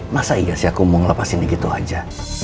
masa iya sih aku mau lepasinnya gitu aja